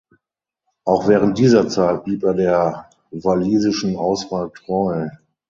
Auch während dieser Zeit blieb er der walisischen Auswahl treu.